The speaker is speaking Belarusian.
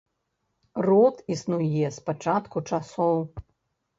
Род існуе з пачатку часоў.